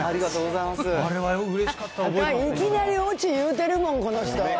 いきなりおち言うてるもん、この人。